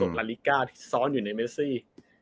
มานอนกลายเป้าหมาย